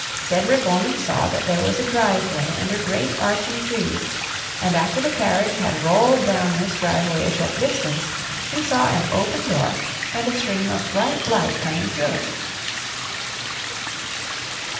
Cedric only saw that there was a drive way under great arching trees, and after the carriage had rolled down this drive way a short distance, he saw an open door and a stream of bright light coming through it.